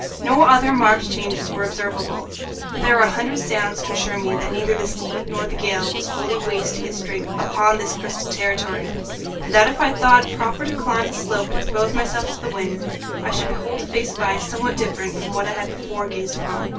No other marked changes were observable, but there were a hundred sounds to assure me that neither the sea nor the gale was wholly wasting its strength upon this crystal territory, and that if I thought proper to climb the slope and expose myself to the wind, I should behold a face of ice somewhat different from what I had before gazed upon.